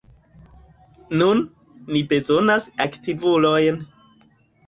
Nun, ni bezonas aktivulojn!